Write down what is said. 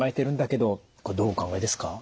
これどうお考えですか？